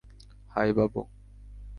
High, Babu.